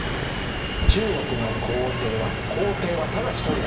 中国の皇帝は皇帝はただ一人だ。